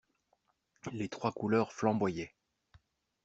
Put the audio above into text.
Les trois couleurs flamboyaient.